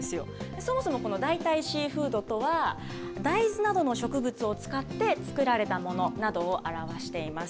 そもそもこの代替シーフードとは、大豆などの植物を使って作られたものなどを表しています。